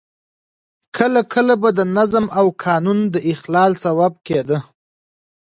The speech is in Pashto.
کله کله به د نظم او قانون د اخلال سبب کېده.